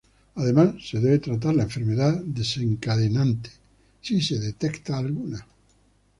Además se debe tratar la enfermedad desencadenante si se detecta alguna.